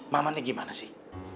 mamanya gimana sih